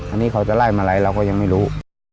อันนี้เขาจะไล่มาอะไรเราก็ยังไม่รู้